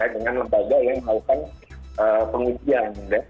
dengan lembaga yang melakukan pengujian